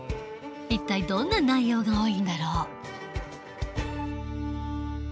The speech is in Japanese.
一体どんな内容が多いんだろう。